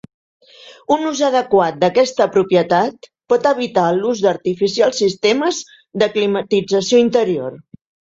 Un ús adequat d'aquesta propietat pot evitar l'ús d'artificials sistemes de climatització interior.